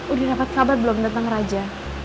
udah dapat kabar belum tentang raja